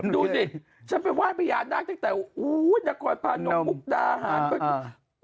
ดูสิฉันไปไหว้พระยาหน้าตั้งแต่โอ้โฮนะครพานกปุ๊บด่าอาหาร